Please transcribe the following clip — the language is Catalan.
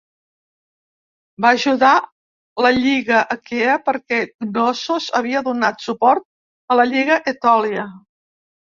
Va ajudar la Lliga Aquea perquè Cnossos havia donat suport a la Lliga Etòlia.